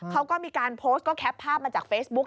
เขาก็มีการโพสต์ก็แคปภาพมาจากเฟซบุ๊ค